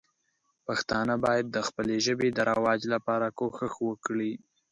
پښتانه باید د خپلې ژبې د رواج لپاره کوښښ وکړي.